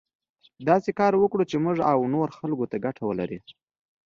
داسې کار وکړو چې موږ او نورو خلکو ته ګټه ولري.